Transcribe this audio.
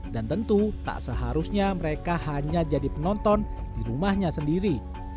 dan tentu tak seharusnya mereka hanya jadi penonton di rumahnya sendiri